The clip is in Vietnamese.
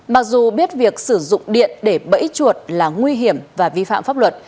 mặc dù biết việc sử dụng điện để bẫy chuột là nguy hiểm và vi phạm pháp luật